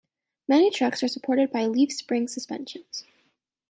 Many trucks are supported by leaf spring suspensions.